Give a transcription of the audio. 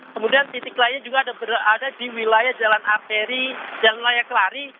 kemudian titik lainnya juga ada di wilayah jalan arteri dan wilayah kelari